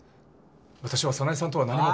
私は早苗さんとは何も。